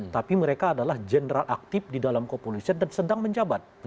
tapi mereka adalah general aktif di dalam kepolisian dan sedang menjabat